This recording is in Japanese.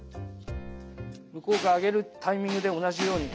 向こうが上げるタイミングで同じように。